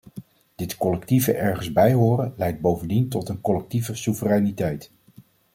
Dit collectieve ergens bij horen leidt bovendien tot een collectieve soevereiniteit.